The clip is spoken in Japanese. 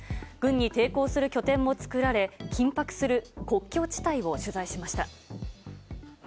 軍に抵抗する拠点も作られ、緊迫する国境地帯を取材しました。